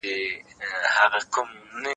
د دغې کیسې په لوستلو سره انسان هوښیارېږي.